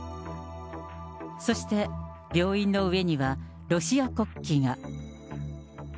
そして病院の上には、ロシア国旗が。